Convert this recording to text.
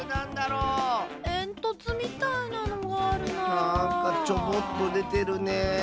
なんかちょぼっとでてるね。